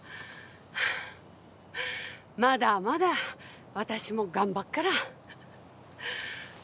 まだまだ私も頑張っから。